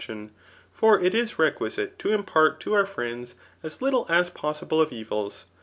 86a fbitune. For it is requisite to impart to our fnends as Kttle as pos^le of evils.